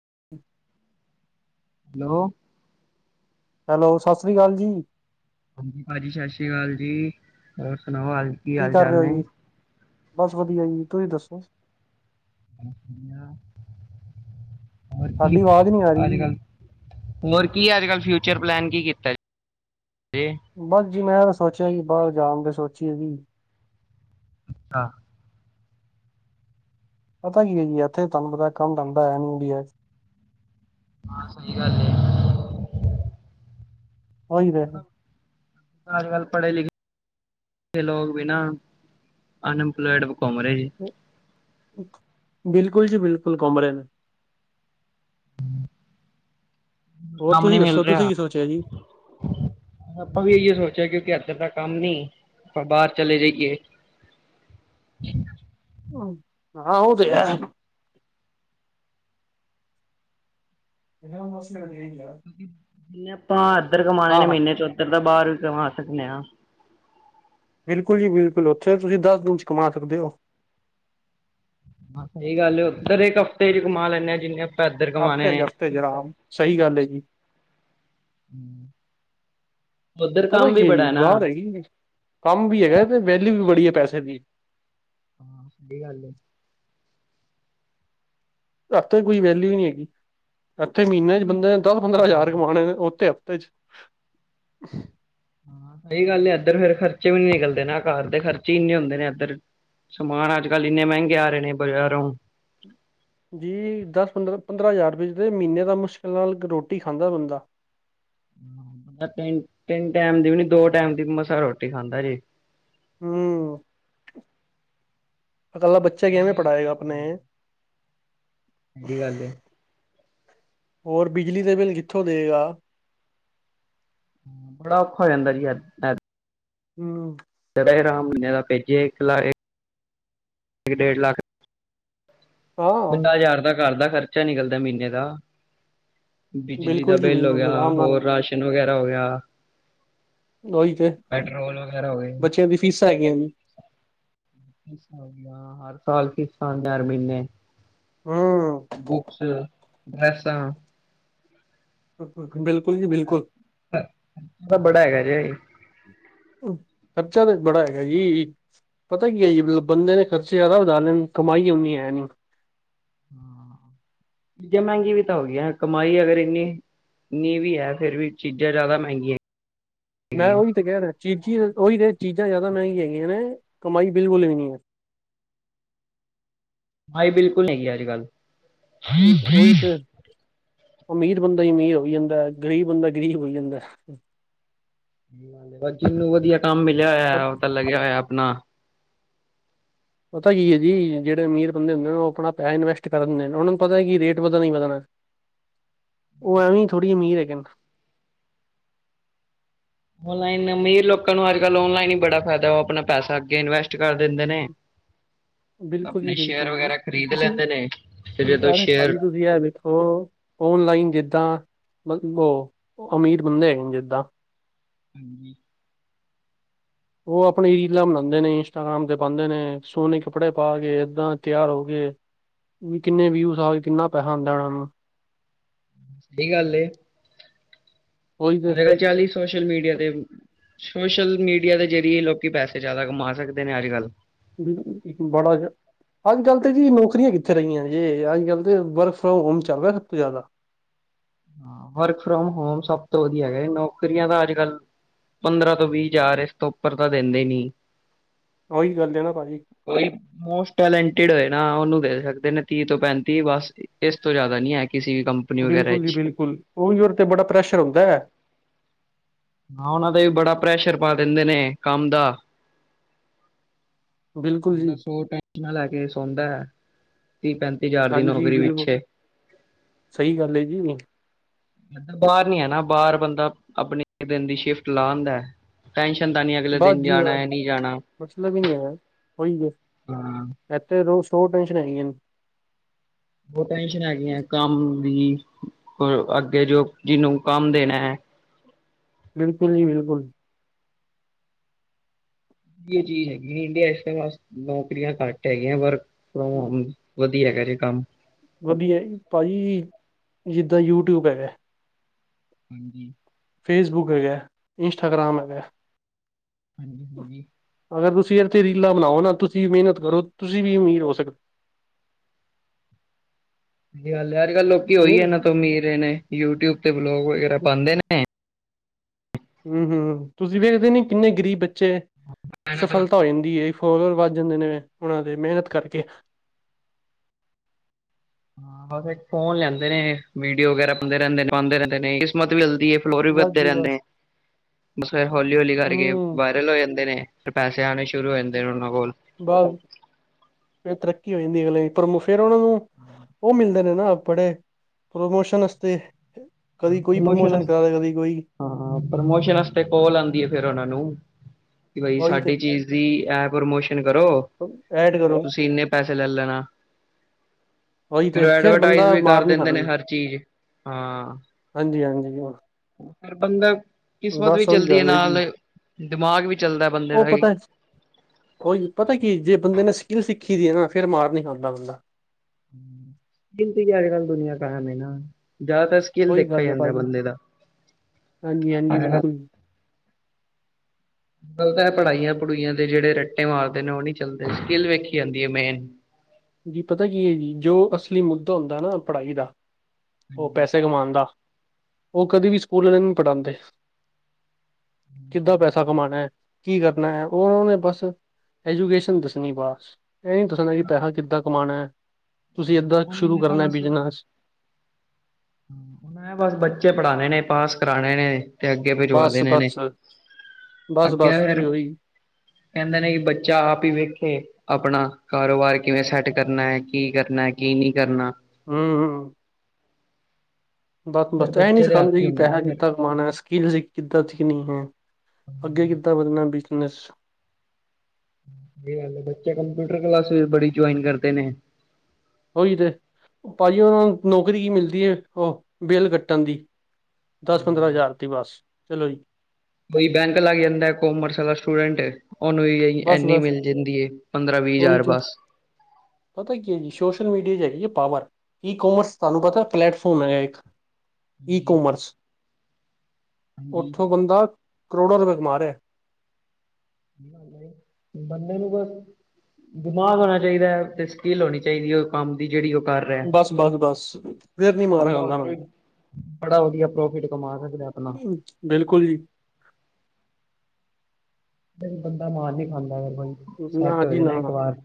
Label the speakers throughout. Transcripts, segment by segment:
Speaker 1: [inaudible]
Speaker 2: Hello
Speaker 1: hello, ਸਤਿ ਸ੍ਰੀ ਅਕਾਲ ਜੀ।
Speaker 2: ਹਾਂਜੀ, ਸਤਿ ਸ਼੍ਰੀ ਅਕਾਲ ਜੀ ਹੋਰ ਸੁਣਾਓ ਹਾਲ ਕੀ ਹਾਲ
Speaker 1: ਕਰ ਰਹੇ
Speaker 2: ਚਾਲ
Speaker 1: ਹੋ
Speaker 2: ਨੇ?
Speaker 1: ਜੀ ਬਸ ਵਧੀਆ ਜੀ ਤੁਸੀਂ ਦੱਸੋ?
Speaker 2: [unintelligible] ਹੋਰ ਕੀ
Speaker 1: ਤੁਹਾਡੀ ਆਵਾਜ਼ ਨਹੀਂ ਆ ਰਹੀ
Speaker 2: ਅੱਜ
Speaker 1: ਜੀ।
Speaker 2: ਕੱਲ? ਹੋਰ ਕੀ ਅੱਜ ਕੱਲ ਫਿਊਚਰ ਪਲੈਨ ਕੀ ਕੀਤਾ ਜੇ?
Speaker 1: ਬਸ ਜੀ ਮੈਂ ਸੋਚਿਆ ਸੀ ਬਾਹਰ ਜਾਣਗੇ ਸੋਚੀਏ ਸੀ।
Speaker 2: [unintelligible]
Speaker 1: ਪਤਾ ਕੀ ਹੈਜੀ, ਇੱਥੇ ਤੁਹਾਨੂੰ ਪਤਾ ਕੰਮ ਤੱਦਾ ਹੈ ਨੀ ਇੰਡੀਆ
Speaker 2: ਹਾਂ ਸਹੀ ਗੱਲ ਏ।
Speaker 1: [inaudible]
Speaker 2: ਅੱਜ ਕੱਲ ਪੜ੍ਹੇ ਲਿਖੇ ਲੋਕ ਵੀ ਨਾ ਅਨਇੰਪਲਾਇਡ
Speaker 1: ਬਿਲਕੁਲ ਜੀ, ਬਿਲਕੁਲ ਕੋਮਰੈਨ ਹੋਰ
Speaker 2: ਕੰਮ
Speaker 1: ਤੁਸੀਂ
Speaker 2: ਨੀ ਮਿਲ
Speaker 1: ਦੱਸੋ ਤੁਸੀਂ
Speaker 2: ਰਿਹਾ,
Speaker 1: ਕੀ ਸੋਚਿਆ ਜੀ
Speaker 2: ਆਪਾਂ ਵੀ ਇਹੀ ਸੋਚਿਆ ਕਿਉਂਕਿ ਜਬ ਤੱਕ ਕੰਮ ਨੀ, ਆਪਾਂ ਬਾਹਰ ਚਲੇ ਜਾਈਏ
Speaker 1: ਹਾਂ, ਔ ਤੇ ਹੈ। [unintelligible]
Speaker 2: ਨ ਆਪਾਂ ਇੱਧਰ ਕਮਾਣੇ
Speaker 1: ਹਾਂ
Speaker 2: ਨੇ
Speaker 1: ਹਾਂ
Speaker 2: ਮਹੀਨੇ ਚ, ਉੱਧਰ ਦਾ ਬਾਹਰ ਵੀ ਕਮਾ ਸਕਦੇ ਹਾਂ-
Speaker 1: ਬਿਲਕੁਲ ਜੀ ਬਿਲਕੁਲ ਉੱਥੇ ਤੁਸੀਂ ਦਸ ਦਿਨ ਚ ਕਮਾ ਸਕਦੇ ਹੋ।
Speaker 2: ਹਾਂ, ਸਹੀ ਗੱਲ ਐ, ਉਦਰ ਇਕ ਹਫ਼ਤੇ ਚ ਕਮਾ ਲੈਂਨੇ ਆਂ, ਜਿੰਨੇ- ਇੱਧਰ ਕਮਾਣੇ
Speaker 1: ਹਫ਼ਤੇ ਚ
Speaker 2: ਨੇ।
Speaker 1: ਹਫ਼ਤੇ ਚ ਰਾਮ, ਸਹੀ ਗੱਲ ਐ ਜੀ।
Speaker 2: ਉੱਧਰ
Speaker 1: [inaudible] ਪਤਾ
Speaker 2: ਕੰਮ ਵੀ
Speaker 1: ਕੀ
Speaker 2: ਬੜਾ
Speaker 1: ਜੀ
Speaker 2: ਹੈ ਨਾ।
Speaker 1: ਬਾਹਰ ਹੈਗੀ, ਕੰਮ ਵੀ ਹੈਗਾ, ਤੇ ਵੈਲਿਊ ਵੀ ਬੜੀ ਹੈ ਪੈਸੇ- [inaudible]
Speaker 2: ਸਹੀ ਗੱਲ ਹੈ।
Speaker 1: ਇਥੇ ਕੋਈ ਵੈਲਿਊ ਨਹੀਂ ਹੈਗੀ, ਇੱਥੇ ਮਹੀਨੇ ਚ ਬੰਦੇ ਦਸ-ਪੰਦਰਾਂ ਹਜ਼ਾਰ ਕਮਉਣੇ ਉੱਥੇ- [inaudible]
Speaker 2: ਹਾਂ ਸਹੀ ਗੱਲ ਇੱਧਰ ਫੇਰ ਖਰਚੇ ਵੀ ਨੀ ਨਿਕਲਦੇ ਨੇ ਕਾਰ ਦੇ ਖਰਚੇ ਹੀ ਇੰਨੇ ਹੁੰਦੇ ਨੇ ਏਧਰ ਸਮਾਨ ਅੱਜ ਕੱਲ੍ਹ ਇੰਨੇ ਮਹਿੰਗੇ ਆ ਰਹੇ ਨੇ ਬਜ਼ਾਰੋਂ।
Speaker 1: ਜੀ ਦਸ, ਪੰਦਰਾਂ ਪੰਦਰਾਂ ਹਜ਼ਾਰ ਵਿੱਚ ਦੇ ਮਹੀਨੇ ਦਾ ਮੁਸ਼ਕਿਲ ਨਾਲ ਰੋਟੀ ਖਾਂਦਾ ਬੰਦਾ। [inaudible]
Speaker 2: ਤਿੰਨ-ਤਿੰਨ ਟਾਈਮ ਦੀ ਵੀ ਨੀ ਦੋ ਟੈਮ ਦੀ ਮਸਾ ਰੋਟੀ ਖਾਂਦਾ ਹੈ ਜੀ।
Speaker 1: ਹਮ ਅਗਲਾ ਬੱਚਾ ਕਿਵੇਂ ਪੜ੍ਹਾਏਗਾ ਆਪਣੇ।
Speaker 2: ਸਾਹੀ ਗੱਲ ਏ।
Speaker 1: ਹੋਰ ਬਿਜਲੀ ਦੇ ਬਿੱਲ ਕਿੱਥੋਂ ਦੇਵੇਗਾ?
Speaker 2: ਬੜਾ ਔਖਾ ਹੋ ਜਾਂਦਾ ਜੀ।
Speaker 1: ਹੂ
Speaker 2: ਜੈ ਰਾਮ ਮੰਨੇ ਦਾ ਭੇਜਿਆਲਾ [unintelligible] ਇੱਕ ਡੇਢ ਲਾੱਖ-
Speaker 1: ਹਾਂ
Speaker 2: ਪੰਦਰਾਂ ਹਜ਼ਾਰ ਦਾ ਘਰ ਦਾ ਖਰਚਾ ਨਿਕਲਦਾ ਐ, ਮਹੀਨੇ ਦਾ। ਬਿਜਲੀ ਦਾ
Speaker 1: ਬਿਲਕੁਲ ਜੀ
Speaker 2: ਬਿੱਲ ਹੋ ਗਿਆ,
Speaker 1: ਬਿਲਕੁਲ ਆਰਾਮ ਨਾਲ
Speaker 2: ਹੋਰ ਰਾਸ਼ਨ ਵਗੈਰਾ ਹੋ ਗਿਆ।
Speaker 1: ਔਹੀ ਤੇ
Speaker 2: ਪੈਟਰੋਲ ਵਗੈਰਾ ਹੋ ਗਏ।
Speaker 1: ਬੱਚਿਆਂ ਦੀ ਫੀਸਾਂ ਹੈਗੀਆਂ ਨੇ।
Speaker 2: ਹਰ ਸਾਲ ਕਿਸ਼ਤਾਂ, ਹਰ ਮਹੀਨੇ-
Speaker 1: ਹੂੰ
Speaker 2: ਬੁਕਸ, ਪੈਸਾ-
Speaker 1: ਬਿਲਕੁਲ ਜੀ ਬਿਲਕੁਲ।
Speaker 2: ਤਾਂ ਬੜਾ ਹੈਗਾ ਜੇ
Speaker 1: ਖਰਚਾ ਵੀ ਬੜਾ ਹੈਗਾ ਜੀ। ਪਤਾ ਕੀ ਹੈ ਜੀ, ਬੰਦੇ ਨੇ ਖਰਚੇ ਜ਼ਿਆਦਾ ਵਧਾ ਲਏ ਨੇ, ਕਮਾਈ ਉਹਨੀ ਹੈ ਨਹੀਂ।
Speaker 2: ਚੀਜ਼ਾਂ ਮਹਿੰਗੀ ਵੀ ਤਾਂ ਹੋ ਗਈਆਂ ਹੈਂ, ਕਮਾਈ ਅਗਰ ਇੰਨੀ- ਇਨੀ ਵੀ ਹੈ। ਫਿਰ ਵੀ ਚੀਜ਼ਾਂ ਜ਼ਿਆਦਾ ਮਹਿੰਗੀਆਂ-
Speaker 1: ਮੈਂ
Speaker 2: ਹੈਗੀਆਂ
Speaker 1: ਔਹੀ ਤੇ ਕਹਿ ਰਿਹਾ। ਚੀਜ਼ ਔਹੀ ਤੇ, ਚੀਜ਼ਾਂ ਜ਼ਿਆਦਾ ਮੈਗੀਆਂ ਹੈਗੀਆਂ ਨੇ, ਕਮਾਈ ਬਿਲਕੁਲ ਵੀ ਨਹੀਂ ਹੈ।
Speaker 2: ਕਮਾਈ ਬਿਲਕੁਲ ਨੀ ਹੈਗੀ, ਅੱਜ ਕੱਲ੍ਹ
Speaker 1: ਔਹੀ ਤੇ ਅਮੀਰ ਬੰਦਾ ਹੀ ਅਮੀਰ ਹੋਈ ਜਾਂਦਾ, ਗ਼ਰੀਬ ਬੰਦਾ ਗਰੀਬ ਹੋਈ ਜਾਂਦਾ
Speaker 2: ਜਿਨੂੰ ਵਧੀਆ ਕੰਮ ਮਿਲਿਆ ਹੋਇਆ
Speaker 1: ਪ
Speaker 2: ਹੈ, ਔਹ ਤਾਂ ਲੱਗਿਆ ਹੋਇਆ ਆਪਣਾ
Speaker 1: ਪਤਾ ਕੀ ਹੈ ਜੀ ਜਿਹੜੇ ਅਮੀਰ ਬੰਦੇ ਹੁੰਦੇ ਨੇ ਉਹ ਆਪਣਾ ਪੈਸਾ ਇਨਵੈਸਟ ਕਰ ਦਿੰਦੇ ਨੇ, ਉਹਨਾਂ ਨੂੰ ਪਤਾ ਹੈ ਕਿ ਰੇਟ ਵਧਣਾ ਹੀ ਵਧਣਾ ਔ ਐਵੇਂ ਈ ਥੋੜ੍ਹੀ ਅਮੀਹ ਹੈ ਕਿਨ
Speaker 2: ਔਨਲਾਈਨ, ਅਮੀਰ ਲੋਕਾਂ ਨੂੰ ਅੱਜ ਕੱਲ ਔਨਲਾਈਨ ਹੀ ਬੜਾ ਫਾਇਦਾ ਆਪਣਾ ਪੈਸਾ ਅੱਗੇ ਇਨਵੈਸਟ ਕਰ ਦਿੰਦੇ ਨੇ
Speaker 1: ਬਿਲਕੁਲ
Speaker 2: ਆਪਣੇ ਸ਼ੇਅਰ
Speaker 1: ਜੀ-ਬਿਲਕੁਲ ਜੀ,
Speaker 2: ਵਗੈਰਾ ਖਰੀਦ
Speaker 1: ਤੁਸੀਂ
Speaker 2: ਲੈਂਦੇ ਨੇ ਤੇ ਜਦੋਂ
Speaker 1: ਯਾਰ
Speaker 2: ਸ਼ੇਅਰ
Speaker 1: ਭਾਜੀ ਤੁਸੀਂ ਐ ਵੇਖੋ, ਔਨਲਾਈਨ ਜਿੱਦਾਂ ਮਤਲਬ ਔ, ਔ ਅਮੀਰ ਬੰਦੇ ਹੈਗੇ ਨੇ ਜਿੱਦਾਂ
Speaker 2: ਹਾਂਜੀ
Speaker 1: ਔ ਆਪਣੀ ਰੀਲਾਂ ਬਣਾਉਂਦੇ ਨੇ ਇੰਸਟਾਗ੍ਰਾਮ ਤੇ ਪਾਉਂਦੇ ਨੇ ਸੋਹਣੇ ਕੱਪੜੇ ਪਾ ਕੇ ਏਦਾਂ ਤਿਆਰ ਹੋ ਗਏ ਵੀ ਕਿੰਨੇ ਵਿਊ ਆ ਕਿੰਨਾ ਪੈਸਾ ਆਉਂਦਾ ਉਹਨਾਂ ਨੂੰ
Speaker 2: ਸਹੀ ਗੱਲ ਹੈ
Speaker 1: ਉਹੀ ਤੇ
Speaker 2: ਅੱਜ ਕੱਲ੍ਹ ਚਾਲੀ ਸੋਸ਼ਲ ਮੀਡੀਆ ਤੇ ਸੋਸ਼ਲ ਮੀਡੀਆ ਦੇ ਜ਼ਰੀਏ ਲੋਕੀ ਪੈਸੇ ਜ਼ਿਆਦਾ ਕਮਾ ਸਕਦੇ ਨੇ ਅੱਜ ਕੱਲ੍ਹ
Speaker 1: ਵੀ ਇੱਕ ਬੜਾ ਜ ਅੱਜ ਕੱਲ੍ਹ ਤਾਂ ਜੀ ਨੌਕਰੀਆਂ ਕਿੱਥੇ ਰਹੀਆਂ ਜੇ ਅੱਜ ਕੱਲ੍ਹ ਤਾਂ ਵਰਕ ਫਰੋਮ ਹੋਮ ਚੱਲ ਰਿਹਾ ਸਭ ਤੋਂ ਜ਼ਿਆਦਾ [inaudible]
Speaker 2: ਹਾਂ ਵਰਕ ਫਰੋਮ ਹੋਮ ਸਭ ਤੋਂ ਵਧੀਆ ਨੌਕਰੀਆਂ ਦਾ ਅੱਜ ਕੱਲ ਪੰਦਰਾਂ ਤੋਂ ਵੀਹ ਹਜ਼ਾਰ ਇਸ ਤੋਂ ਉੱਪਰ ਤਾਂ ਦਿੰਦੇ ਨੀ
Speaker 1: ਉਹੀ ਗੱਲ ਹੈ ਨਾ ਭਾਜੀ
Speaker 2: ਮੋਸਟ ਟੈਲਟੇਡ ਹੋ ਨਾ ਉਹਨੂੰ ਦੇ ਸਕਦੇ ਨੇ ਤੀਹ ਤੋਂ ਪੈਂਤੀ ਬਸ ਇਸ ਤੋਂ ਜ਼ਿਆਦਾ ਨੀ ਹੈ ਕਿਸੇ ਵੀ ਕੰਪਨੀ ਵਗੈਰਾ
Speaker 1: ਬਿਲਕੁਲ ਜੀ
Speaker 2: ਵਿੱਚ
Speaker 1: ਬਿਲਕੁਲ ਉਹਹੀ ਉਹਦੇ ਤੇ ਬੜਾ ਪ੍ਰੈਸ਼ਰ ਆਉਂਦਾ ਹੈ
Speaker 2: ਹਾਂ ਉਹਨਾਂ ਦਾ ਵੀ ਬੜਾ ਪ੍ਰੈਸ਼ਰ ਪਾ ਦਿੰਦੇ ਨੇ ਕੰਮ ਦਾ
Speaker 1: ਬਿਲਕੁਲ ਜੀ
Speaker 2: ਸੋ ਟੈਂਸ਼ਨਾਂ, ਲੈ ਕੇ ਸੌਦਾ ਹੈ ਤੀਹ ਪੈਂਤੀ ਹਜ਼ਾਰ ਦੀ
Speaker 1: ਹਾਂਜੀ
Speaker 2: ਨੌਕਰੀ
Speaker 1: ਬਿਲਕੁਲ
Speaker 2: ਪਿੱਛੇ
Speaker 1: ਸਹੀ ਗੱਲ ਹੈ ਜੀ
Speaker 2: ਇਦ ਬਾਹਰ ਨੀ ਹੈ ਨਾ, ਬਾਹਰ ਬੰਦਾ ਆਪਣੇ ਦਿਨ ਦੀ ਸ਼ਿਫਟ ਲਾਉਦਾ ਹੈ ਟੇ ਕਹਿਦਾ ਨੀ ਅਗਲੇ
Speaker 1: ਬਸ
Speaker 2: ਦਿਨ ਜਾਣਾ ਹੈ, ਨਹੀ ਜਾਣਾ
Speaker 1: ਔਹੀ ਹੈ,
Speaker 2: ਹਾਂ
Speaker 1: ਇਥੇ ਰੋਹ ਸੋ ਟੈਂਸ਼ਨ ਹੇਗੀਆ ਨੇ
Speaker 2: ਬਹੁਤ ਟੈਂਨਸ਼ਨ ਹੈਗੀ ਐ, ਕੰਮ ਦੀ ਅੱਗੇ ਜੋ, ਜਿਹਨੂੰ ਕੰਮ ਦੇਣਾ ਹੈ
Speaker 1: ਬਿਲਕੁਲ ਜੀ ਬਿਲਕੁਲ
Speaker 2: ਕੀ ਚੀਜ਼ ਹੈਗੀ, ਇੰਡੀਆ ਇਸ ਬਸ ਨੌਕਰੀਆਂ ਘੱਟ ਹੈਗੀਆਂ ਪਰ ਫੋ ਵਧ ਹੈਗਾ ਜੇ ਕੰਮ
Speaker 1: ਵਧੀਆ ਭਾਜੀ ਜਿੱਦਾਂ ਯੂਟਿਊਬ ਹੈਗਾ
Speaker 2: ਹਾਂਜੀ
Speaker 1: ਫੇਸਬੁੱਕ ਹੈਗਾ ਇੰਸਟਾਗ੍ਰਮ ਹੈਗਾ
Speaker 2: ਹਾਂਜੀ
Speaker 1: ਅਗਰ ਤੁਸੀਂ ਯ ਤੇ ਰੀਲਾ ਬਣਾਓ ਨਾ ਤੁਸੀਂ ਮਿਹਨਤ ਕਰੋ ਤੁਸੀਂ ਵੀ ਅਮੀਰ ਹੋ ਸਕਦੇ ਹੋ [inaudible]
Speaker 2: ਤੇ ਅੱਜ ਕਲ ਲੋਕੀ ਉਹੀ ਇਹਨਾਂ ਤੋਂ ਅਮੀਰੇ ਨੇ ਯੂਟਿਊਬ ਤੇ ਬਲੋਗ ਵਗੈਰਾ ਪਾਉਂਦੇ ਨੇ
Speaker 1: ਹਮ ਹਮ ਤੁਸੀਂ ਵੇਖਦੇ ਨੀ ਕਿੰਨੇ ਗ਼ਰੀਬ ਬੱਚੇ
Speaker 2: ਹਾਂ
Speaker 1: ਸਫਲਤਾ ਹੋ ਜਾਂਦੀ ਹੈ ਫਾਲੋਅਰ ਵੱਧ ਜਾਂਦੇ ਨੇ ਉਹਨਾਂ ਦੇ ਮਿਹਨਤ ਕਰਕੇ
Speaker 2: ਹਾਂ ਫੇਰ ਫੋਨ ਲੈਂਦੇ ਨੇ ਵੀਡੀਓ ਵਗੈਰਾ ਪਾਉਂਦੇ ਰਹਿੰਦੇ ਨੇ ਪਾਉਦੇ ਰਹਿੰਦੇ ਨੇ ਕਿਸਮਤ ਮਿਲਦੀ ਹੈ ਫੌਲੋਅਰ ਵੀ
Speaker 1: ਬਸ
Speaker 2: ਵੱਧਦੇ
Speaker 1: ਜੀ
Speaker 2: ਰਹਿੰਦੇ
Speaker 1: ਬਸ।
Speaker 2: ਨੇ ਬਸ ਫੇ ਹੌਲੀ-ਹੌਲੀ ਕਰਕੇ
Speaker 1: ਹੂੰ
Speaker 2: ਵਾਇਰਲ ਹੋ ਜਾਂਦੇ ਨੇ ਫੇਰ ਪੈਸੇ ਆਣੇ ਸ਼ੁਰੂ ਹੋ ਜਾਂਦੇ ਨੇ ਉਹਨਾਂ ਕੋਲ
Speaker 1: ਬ ਫਿਰ ਤਰੱਕੀ ਹੋ ਜਾਂਦੀ ਗੱਲ ਪ੍ਰਮ ਫੇਰ ਉਹਨਾਂ ਨੂੰ ਉਹ ਮਿਲਦੇ ਨੇ ਨਾ ਬੜੇ ਪ੍ਰਮੋਸ਼ਨ ਵਾਸਤੇ ਕਦੀ ਕੋਈ ਪ੍ਰਮੋਸ਼ਨ ਕਰਾ ਰਿ ਕਦੀ ਕੋਈ
Speaker 2: ਹਾਂ ਪ੍ਰਮੋਸ਼ਨ ਵਾਸਤੇ ਕੋਲ ਆਉਂਦੀ ਹੈ ਫੇਿਰ ਉਹਨਾਂ ਨੂੰ ਕਿ ਬਾਈ
Speaker 1: ਉਹੀ ਤੇ
Speaker 2: ਸਾਡੀ ਚੀਜ਼ ਦੀ ਐ ਪ੍ਰਮੋਸ਼ਨ ਕਰੋ
Speaker 1: ਐਡ ਕਰੋ
Speaker 2: ਤੁਸੀਂ ਇੰਨੇ ਪੈਸੇ ਲੈ ਲੈਣਾ
Speaker 1: ਉਹੀ
Speaker 2: ਫਿਰ
Speaker 1: ਤੇ ਫੇਰ
Speaker 2: ਐਡਵਰਟਾਈਜ਼
Speaker 1: ਬੰਦਾ
Speaker 2: ਵੀ ਕਰ
Speaker 1: ਮਾਰ ਨੀ
Speaker 2: ਦਿੰਦੇ
Speaker 1: ਖਾਂਦਾ
Speaker 2: ਨੇ ਹਰ ਚੀਜ਼ ਹਾਂ
Speaker 1: ਹਾਂਜੀ ਹਾਂਜੀ
Speaker 2: ਫਿਰ ਬੰਦਾ ਕਿਸਮਤ ਵੀ
Speaker 1: ਬਸ ਉਹੀ
Speaker 2: ਚੱਲਦੀ ਹੈ
Speaker 1: ਗੱਲ
Speaker 2: ਨਾਲ
Speaker 1: ਜੀ
Speaker 2: ਦਿਮਾਗ ਵੀ ਚੱਲਦਾ ਬੰਦੇ ਦਾ ਵੀ
Speaker 1: ਹੋਈ ਪਤਾ ਕੀ ਜੇ ਬੰਦੇ ਨੇ ਸਕਿੱਲ ਸਿੱਖੀ ਦੀ ਹੈ ਨਾ ਫਿਰ ਮਾਰ ਨਹੀਂ ਖਦਾ ਬੰਦਾ
Speaker 2: ਕਿਤ ਕੀ ਅੱਜ ਕੱਲ ਦੁਨੀਆਂ ਕਮ ਹੈ ਨਾ ਜ਼ਿਆਦਾਤਰ ਸਕਿੱਲ
Speaker 1: ਉਹੀ
Speaker 2: ਦੇਖਿਆ
Speaker 1: ਗੱਲ ਹੈ
Speaker 2: ਜਾਂਦਾ
Speaker 1: ਭਾਜੀ
Speaker 2: ਬੰਦੇ ਦਾ
Speaker 1: ਹਾਂਜੀ ਹਾਂਜੀ ਬਿਲਕੁਲ
Speaker 2: ਗੱਲ ਤਾਂ ਪੜ੍ਹਾਈਆਂ ਪੜੂਈਆਂ ਦੇ ਜਿਹੜੇ ਰੱਟੇ ਮਾਰਦੇ ਨੇ ਉਹ ਨਹੀਂ ਚੱਲਦੇ ਸਕਿੱਲ ਵੇਖੀ ਜਾਂਦੀ ਹੈ ਮੇਨ
Speaker 1: ਜੀ ਪਤਾ ਕੀ ਹੈ ਜੀ ਜੋ ਅਸਲੀ ਮੁੱਦਾ ਹੁੰਦਾ ਨਾ ਪੜ੍ਹਾਈ ਦਾ ਉਹ
Speaker 2: ਹਾਂਜੀ
Speaker 1: ਪੈਸੇ ਕਮਾਉਣ ਦਾ ਉਹ ਕਦੇ ਵੀ ਸਕੂਲ ਵਾਲੇ ਨੂੰ ਪੜ੍ਹਾਦੇ ਕਿੱਦਾਂ
Speaker 2: ਸਹੀ
Speaker 1: ਪੈਸਾ
Speaker 2: ਗੱਲ
Speaker 1: ਕਮਾਣਾ ਹੈ ਕੀ ਕਰਨਾ ਹੈ ਉਹਨੇ ਬਸ, ਐਜੂਕੇਸ਼ਨ ਦੱਸਣੀ ਬਸ ਇਹ ਨੀ ਦੱਸਣਾ ਕਿ ਪੈਸਾ ਕਿੱਦਾਂ ਕਮਾਣਾ ਹੈ। ਤੁਸੀਂ ਏਦਾਂ
Speaker 2: ਉਹਨਾਂ
Speaker 1: ਸ਼ੁਰੂ
Speaker 2: ਨੇ
Speaker 1: ਕਰਨਾ ਬਿਜਨਸ,
Speaker 2: ਮੈਂ ਬਸ ਬੱਚੇ ਪੜ੍ਹਾਉਣੇ ਨੇ ਪਾਸ ਕਰਾਣੇ ਨੇ, ਤੇ ਅੱਗੇ ਭਜਵਾ
Speaker 1: ਬਸ
Speaker 2: ਦੇਣੇ ਇਹਨੇ
Speaker 1: ਬਸ ਬਸ
Speaker 2: ਅੱਗੇ
Speaker 1: ਬਸ
Speaker 2: ਫਿਰ
Speaker 1: ਜੀ ਉਹੀ
Speaker 2: ਕਹਿੰਦੇ ਨੇ ਕਿ ਬੱਚਾ ਆਪ ਹੀ ਵੇਖੇ ਆਪਣਾ ਕਾਰੋਬਾਰ ਕਿਵੇਂ ਸੈਟ ਕਰਨਾ ਹੈ ਕੀ ਕਰਨਾ, ਕੀ ਨੀ ਕਰਨਾ
Speaker 1: ਹੂੰ, ਬਸ
Speaker 2: ਫਿਰ
Speaker 1: ਬਸ ਇਹ ਨੀ
Speaker 2: ਬੱਚੇ ਦੇ ਹੱਥ
Speaker 1: ਸਿਖਾਂਦੇ
Speaker 2: ਹੀ
Speaker 1: ਕਿ
Speaker 2: ਹੁੰਦੇ ਨਾ
Speaker 1: ਪੈਸਾ
Speaker 2: ਫਿਰ
Speaker 1: ਕਿੱਦਾਂ ਕਮਾਣਾ ਸਕੀਲ ਕਿੱਦਾਂ ਸਿਖਣੀ ਨਹੀਂ ਹੈ। ਅੱਗੇ ਕਿੱ ਕੀਤਾ ਵਧਣਾ ਬਿਜ਼ਨਸ,
Speaker 2: ਗੱਲ ਹੈ ਬੱਚੇ ਕੰਪਿਊਟਰ ਕਲਾਸ ਵੀ ਬੜੀ ਜੁਆਇਨ ਕਰਦੇ ਨੇ,
Speaker 1: ਉਹੀ ਤੇ ਭਾਜੀ ਉਹਨਾਂ ਨੂੰ ਨੌਕਰੀ ਕੀ ਮਿਲਦੀ ਹੈ ਉਹ ਬਿੱਲ ਕੱਟਣ ਦੀ, ਦਸ ਪੰਦਰਾਂ ਹਜ਼ਾਰ ਦੀ ਬਸ ਚਲੋ ਜੀ
Speaker 2: ਬਈ ਬੈਂਕ ਲੱਗ ਜਾਂਦਾ ਹੈ ਕੋਮਰਸ ਵਾਲਾ ਸਟੂਡੈਂਟ ਹੈ ਉਹਨੂੰ ਵੀ
Speaker 1: ਬਸ
Speaker 2: ਐਨੀ
Speaker 1: ਬਸ
Speaker 2: ਮਿਲ ਜਾਂਦੀ ਹੈ ਪੰਦਰਾਂ ਵੀਹ
Speaker 1: ਉਹੀ
Speaker 2: ਹਜ਼ਾਰ
Speaker 1: ਤੇ
Speaker 2: ਬਸ
Speaker 1: ਪਤਾ ਕੀ ਹੈ ਜੀ ਸੋਸ਼ਲ ਮੀਡੀਆ ਚ ਹੈਗੀ ਪਾਵਰ ਈ ਕੋਮਰਸ ਤੁਹਾਨੂੰ ਪਤਾ ਪਲੈਟਫੋਮ ਹੈਗਾ ਇੱਕ ਈ
Speaker 2: ਹਾਂਜੀ,
Speaker 1: ਕੋਮਰਸ
Speaker 2: ਹਾਂਜੀ।
Speaker 1: ਉੱਥੋਂ ਬੰਦਾ ਕਰੋੜਾਂ ਰੁਪਏ ਕਮ ਰਿਹਾ
Speaker 2: ਮੰਨੇ ਨੂੰ ਬਸ ਦਿਮਾਗ ਹੋਣਾ ਚਾਹੀਦਾ ਤੇ ਸਕਿੱਲ ਹੋਣੀ ਚਾਹੀਦੀ ਹੈ ਉਹ ਕੰਮ ਦੀ ਜਿਹੜੀ ਉਹ ਕਰ ਰਿਹਾ
Speaker 1: ਬਸ ਬਸ ਬਸ ਫੇਰ ਨੀ ਮਾਰ ਖਾਂਦਾ ਬੰਦਾ
Speaker 2: ਬੜਾ ਵਧੀਆ ਪ੍ਰੋਫਿਟ ਕਮਾ ਸਕਦਾ ਆਪਣਾ।
Speaker 1: ਬਿਲਕੁਲ ਜੀ
Speaker 2: ਬੰਦਾ ਮਾਰ ਨੀ ਖਾਂਦਾ,
Speaker 1: ਨਾ
Speaker 2: ਸੈਟ ਹੋ
Speaker 1: ਜੀ
Speaker 2: ਜਾਣਾ ਇੱਕ
Speaker 1: ਨਾ
Speaker 2: ਵਾਰ,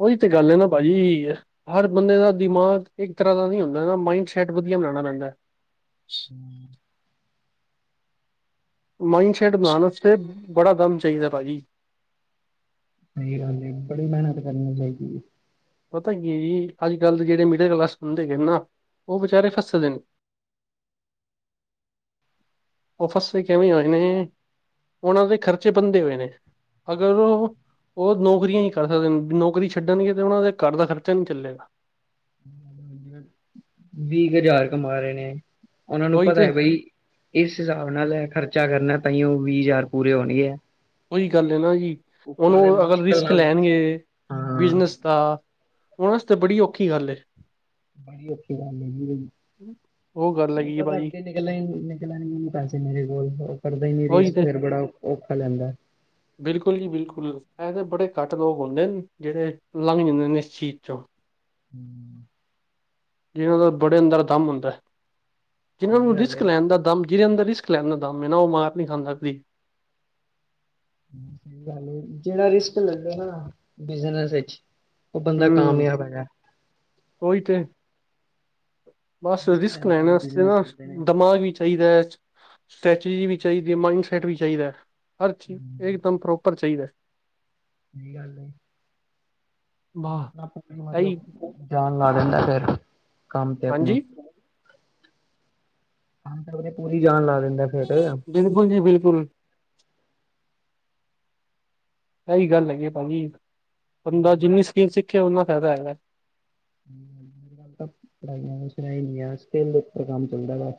Speaker 1: ਉਹੀ ਤੇ ਗੱਲ ਹੈ ਨਾ ਭਾਜੀ ਹਰ ਬੰਦੇ ਦਾ ਦਿਮਾਗ ਇੱਕ ਤਰ੍ਹਾਂ ਦਾ ਨਹੀਂ ਹੁੰਦਾ ਮਾਈਡ ਸੈਟ ਵਧੀਆ ਬਣਾਣਾ ਪੈਂਦਾ।
Speaker 2: ਹੂੰ,
Speaker 1: ਮਾਈੰਡਸੈਟ ਬਣਾਉਣ ਵਾਸ ਬੜਾ ਦਮ ਚਾਹੀਦਾ ਭਾਅ ਜੀ,
Speaker 2: ਸਹੀ ਰਹਦੇ ਬੜੀ ਮਿਹਨਤ ਕਰਨੀ ਚਾਹੀਦੀ ਹੈ।
Speaker 1: ਪਤਾ ਕੀ ਜੀ ਅਜ-ਕਲ ਦੇ ਜਿਹੜੇ ਮਿਡਲ ਕਲਾਸ ਬੰਦੇ ਹੈਗੇ ਨਾ ਉਹ ਬਚਾਰੇ ਫਸੇ ਦੇ ਨੇ, ਔ ਫਸੇ ਕਿਵੇਂ ਹੋਏ ਨੇ, ਉਹਨਾਂ ਦੇ ਖਰਚੇ ਬੰਦੇ ਹੋਏ ਨੇ, ਅਗਰ ਉਹ ਨੌਕਰੀਆਂ ਹੀ ਕਰ ਸਕਦੇ ਨੇ ਨੌਕਰੀ ਛੱਡਣਗੇ ਤੇ ਉਹਨਾਂ ਦੇ, ਘਰ ਦਾ ਖਰਚਾ ਨੀ ਚੱਲੇਗਾ।
Speaker 2: ਵੀਹ ਕੁ ਹਜ਼ਾਰ ਕਮਾ ਰਹੇ ਨੇ, ਉਹਨਾਂ ਨੂੰ
Speaker 1: ਉਹੀ
Speaker 2: ਪਤਾ
Speaker 1: ਤੇ
Speaker 2: ਹੈ ਬਈ ਇਸ ਹਿਸਾਬ ਨਾਲ ਖਰਚਾ ਕਰਨਾ, ਤਾਂ ਉਹ ਵੀਹ ਹਜ਼ਾਰ ਪੂਰੇ ਹੋਣਗੇ।
Speaker 1: ਕੋਈ ਗੱਲ ਹੈ ਨਾ ਜੀ ਹੁਣ
Speaker 2: ਉੱਪਰ ਦੇ
Speaker 1: ਉਹ ਅਗਰ
Speaker 2: ਮੁਸ਼ਕਿਲ
Speaker 1: ਰਿਸਕ
Speaker 2: ਨਾਲ
Speaker 1: ਲੈਣਗੇ
Speaker 2: ਹਾਂ।
Speaker 1: ਬਿਜਨਸ ਦਾ, ਉਹਨਾਂ ਵਾਸਤੇ ਬੜੀ ਔਖੀ ਗੱਲ ਹੈ।
Speaker 2: ਬੜੀ ਅੱਛੀ ਗੱਲ ਹੈਗੀ ਏ।
Speaker 1: ਹ [inaudible]
Speaker 2: ਉਹ ਪਤਾ ਅੱਗੇ ਨਿਕਲਨ ਨਿਕਲਨ ਨੂੰ ਪੈਸੇ ਮੇਰੇ ਕੋਲ ਉਹ ਕਰਦਾ ਹੀ ਨਹੀ
Speaker 1: ਉਹੀ
Speaker 2: ਰੀਸ
Speaker 1: ਤੇ
Speaker 2: ਫੇਰ ਬੜਾ ਰਖਾ ਲੈਂਦਾ।
Speaker 1: ਬਿਲਕੁਲ ਜੀ ਬਿਲਕੁਲ। ਇਹਂ ਤਾਂ ਬੜੇ ਘੱਟ ਲੋਕ ਹੁੰਦੇ ਨੇ ਜਿਹੜੇ ਲੰਘ ਜਾਂਦੇ ਨੇ ਇਸ ਚੀਜ਼ ਚੋਂ।
Speaker 2: ਹੂੰ।
Speaker 1: ਜਿਹਨਾਂ ਦਾ ਬੜੇ ਅੰਦਰ ਦਾ ਦਮ ਹੁੰਦਾ, ਜਿਹਨਾਂ
Speaker 2: ਸਹੀ
Speaker 1: ਨੂੰ
Speaker 2: ਗੱਲ
Speaker 1: ਰਿਸਕ
Speaker 2: ਏ।
Speaker 1: ਲੈਣ ਦਾ ਦਮ ਜਿਹਦੇ ਅੰਦਰ ਰਿਸਕ ਲੈਂਦਾ ਦਮ ਏਨਾ ਉਹ ਮਾਰ ਨਹੀਂ ਖਾਂਦਾ ਕਦੀ।
Speaker 2: ਸਹੀ ਗਲ ਏ, ਜਿਹੜਾ ਰਿਸਕ ਲੈਂਦਾ ਨਾ ਬਿਜਨਸ ਚ ਉਹ ਬੰਦਾ
Speaker 1: ਹੂੰ
Speaker 2: ਕਾਮਯਾਬ ਹੈਗਾ।
Speaker 1: ਉਹੀ ਤੇ ਬਸ ਰਿਸਕ ਲੈਣ
Speaker 2: ਵਾਲੇ
Speaker 1: ਆਸਤੇ
Speaker 2: ਬਿਜਨਸ
Speaker 1: ਨਾ
Speaker 2: ਚੱਲਦੇ ਨੇ।
Speaker 1: ਦਿਮਾਗ ਵੀ ਚਾਹੀਦਾ ਹੈ। ਸਟਰੈਟਜੀ ਵੀ ਚਾਹੀਦੀ, ਮਾਈੰਡਸੈਟ ਵੀ ਚਾਹੀਦਾ ਹਰ ਚੀਜ਼ ਇੱਕਦਮ ਪ੍ਰੋਪਰ ਚਾਹੀਦਾ।
Speaker 2: ਸਹੀ ਗੱਲ ਏ, ਨ
Speaker 1: ਵਾਹ
Speaker 2: ਆਪਣਾ
Speaker 1: ਇਹੀ
Speaker 2: ਮਤਲਬ ਜਾ ਲਾ ਦਿੰਦਾ ਫੇਰ ਕੰਮ ਤੇ ਆਪਣੇ
Speaker 1: ਹਾਂਜੀ
Speaker 2: ਕੰਮ ਤੇ ਅਪਨੇ ਪੂਰੀ ਜਾਨ ਲਾ ਦਿੰਦਾ ਫੇਰ।
Speaker 1: ਬਿਲਕੁਲ ਜੀ ਬਿਲਕੁਲ। ਇਹੀ ਗੱਲ ਹੈਗੀ ਭਾਜੀ ਬੰਦਾ ਜਿੰਨੀ ਸਕੀਮ ਸਿੱਖੇ ਓਨਾ ਫਾਇਦਾ ਹੈਗਾ।
Speaker 2: ਤਾਂ ਪੜਾਈਆਂ ਚ ਕੁਛ ਰਹਿ ਨਹੀਂ ਗਯਾ ਸਕਿਲ ਉੱਪਰ ਕੰਮ ਚੱਲਦਾ ਵਾ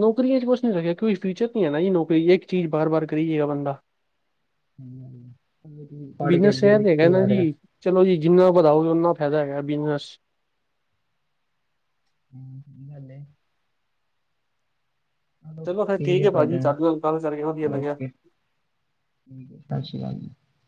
Speaker 1: ਨੌਕਰੀਆਂ ਚ ਕੁਛ ਨੀ ਰੱਖਿਆ ਕੋਈ ਫਿਊਚਰ ਨਹੀਂ ਹੈ ਨਾ ਜੀ ਨੌਕਰੀ ਇੱਕ ਚੀਜ਼ ਬਾਰ ਬਾਰ ਕਰੀਗਾ ਬੰਦਾ।
Speaker 2: ਪੜ੍ਹ ਕੇ
Speaker 1: ਬਿਜਨਸ
Speaker 2: ਅੱਗੇ
Speaker 1: ਇਹ ਤੇ ਹੈਗਾ
Speaker 2: ਲਿਖੀ
Speaker 1: ਨਾ
Speaker 2: ਜਾ
Speaker 1: ਜੀ
Speaker 2: ਰਿਹਾ।
Speaker 1: ਚਲੋ ਜੀ ਜਿੰਨਾ ਵਧਾਓਗੇ ਓਨਾ ਫਾਇਦਾ ਹੈਗਾ ਬਿਜਨਸ
Speaker 2: ਹੂੰ ਹਲੇ
Speaker 1: ਚਲੋ ਫਿਰ
Speaker 2: ਠੀਕ ਹੈ
Speaker 1: ਭਾਜੀ
Speaker 2: ਤੁਹਾਡੇ ਨੇ
Speaker 1: ਨਾਲ ਗੱਲ ਕਰਕੇ ਵਧੀਆ ਲੱਗਿਆ।
Speaker 2: ਓਕੇ। ਠੀਕ ਏ ਸਸਿ ਸ਼੍ਰੀ ਕਾਲ ਜੀ।